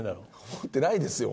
思ってないですよ